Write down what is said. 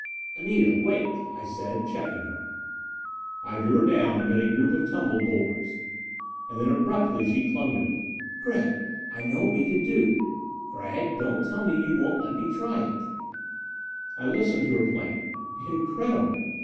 "Anita, wait," I said, checking her. I drew her down amid a group of tumbled boulders. And then abruptly she clung to me. "Gregg, I know what we can do! Gregg, don't tell me you won't let me try it!" I listened to her plan. Incredible!